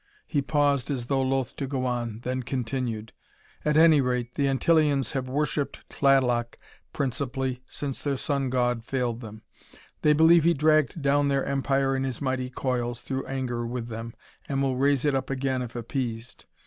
He paused, as though loath to go on, then continued: "At any rate, the Antillians have worshipped Tlaloc principally, since their sun god failed them. They believe he dragged down their empire in his mighty coils, through anger with them, and will raise it up again if appeased.